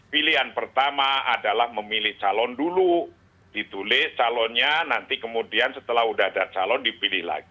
pilihan pertama adalah memilih calon dulu ditulik calonnya nanti kemudian setelah udah ada calon dipilih lagi